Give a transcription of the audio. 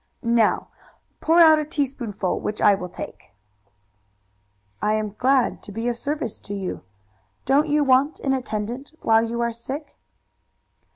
"Now pour out a teaspoonful, which I will take." "I am glad to be of service to you. Don't you want an attendant while you are sick?"